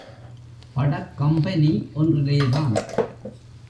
படக் company ஒன்றிலே தான்.